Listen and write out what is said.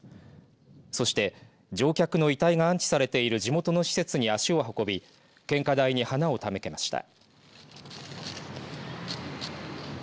そして、乗客の遺体が安置されている地元の施設に足を運び献花台に花を手向けました。